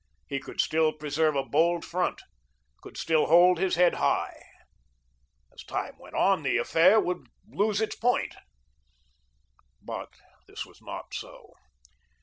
He could still preserve a bold front; could still hold his head high. As time went on the affair would lose its point. But this was not so.